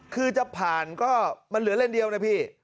คือจะผ่านก็มันเหลือเลนเดียวนะพี่